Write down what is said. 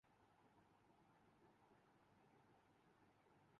جو نہ آیا اسے کوئی زنجیر در